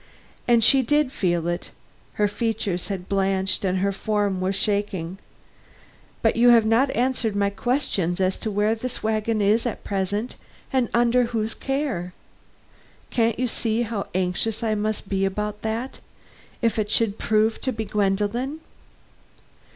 And she did feel it. Her features had blanched and her form was shaking. "But you have not answered my questions as to where this wagon is at present and under whose care? Can't you see how anxious I must be about that if it should prove to be Gwendolen?"